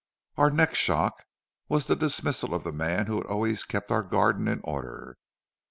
"Our next shock was the dismissal of the man who had always kept our garden in order.